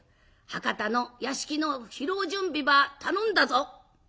博多の屋敷の披露準備ば頼んだぞ」。